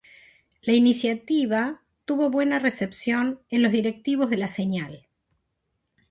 La iniciativa tuvo buena recepción en los directivos de la señal.